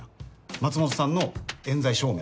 松本さんのえん罪証明